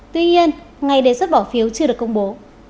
tuy nhiên ngày đề xuất bỏ phiếu chưa được công bố